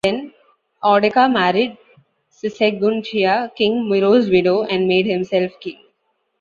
Then Audeca married Siseguntia, king Miro's widow, and made himself king.